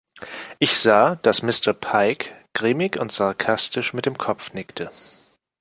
Ich sah, dass Mr. Pike grimmig und sarkastisch mit dem Kopf nickte.